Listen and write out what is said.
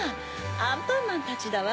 アンパンマンたちだわ。